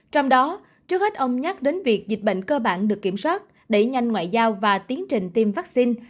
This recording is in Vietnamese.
trong đó trước hết ông nhắc đến việc dịch bệnh cơ bản được kiểm soát đẩy nhanh ngoại giao và tiến trình tiêm vaccine